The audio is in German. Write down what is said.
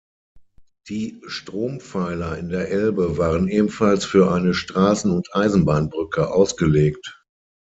Die Strompfeiler in der Elbe waren ebenfalls für eine Straßen- und Eisenbahnbrücke ausgelegt.